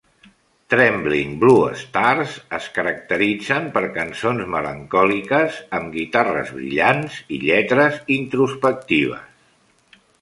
Trembling Blue Stars es caracteritzen per cançons melancòliques amb guitarres brillants i lletres introspectives.